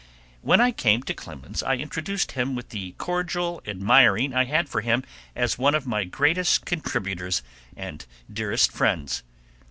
When I came to Clemens I introduced him with the cordial admiring I had for him as one of my greatest contributors and dearest friends.